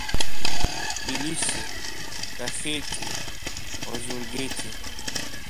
Тбилиси, Кахеҭи, Озургеҭи…